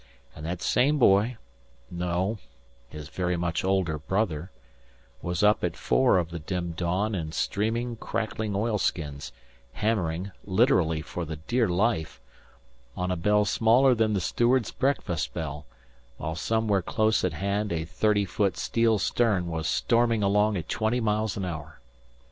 And that same boy no, his very much older brother was up at four of the dim dawn in streaming, crackling oilskins, hammering, literally for the dear life, on a bell smaller than the steward's breakfast bell, while somewhere close at hand a thirty foot steel stem was storming along at twenty miles an hour!